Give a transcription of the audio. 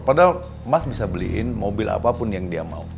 padahal emas bisa beliin mobil apapun yang dia mau